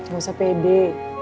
gak usah pede